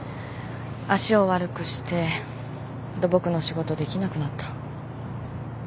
足を悪くして土木の仕事できなくなった。